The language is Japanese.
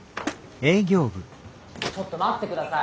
ちょっと待って下さい。